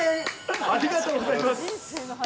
ありがとうございます。